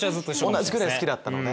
同じくらい好きだったので。